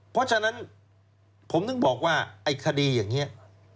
เพราะฉะนั้นผมถึงบอกว่าไอ้คดีอย่างนี้